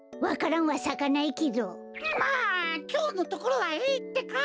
まあきょうのところはいいってか！